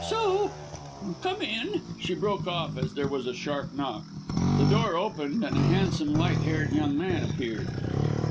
So come in." She broke off as there was a sharp knock. The door opened, and a handsome, light haired young man appeared.